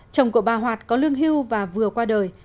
chồng của bà hoạt có lương hưu và vừa qua đời